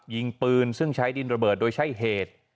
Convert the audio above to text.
ยิงปืนซึ่งใช้ดินระเบิดโดยใช้เหตุ